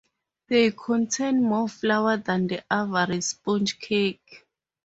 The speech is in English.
They contain more flour than the average sponge cake.